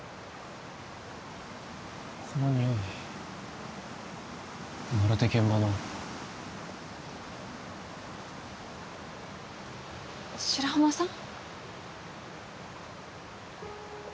このにおいまるで現場の白浜さん？